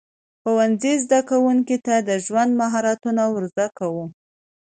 ښوونځی زده کوونکو ته د ژوند مهارتونه ورزده کوي.